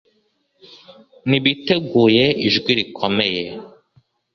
ntibiteguye ijwi rikomeye